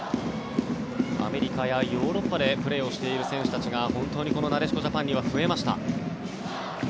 アメリカやヨーロッパでプレーしている選手たちが本当にこのなでしこジャパンには増えました。